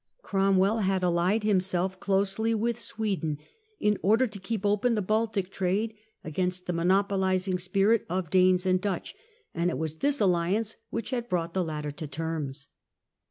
Cromwell had allied himself closely with Sweden in order to keep open the Baltic trade against the monopolizing spirit of Danes and Dutch, and it was this alliance which had brought the latter to terms.